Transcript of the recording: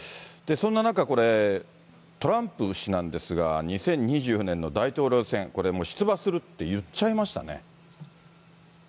そんな中、トランプ氏なんですが、２０２４年の大統領選、これ、出馬するって言っちゃいましたね。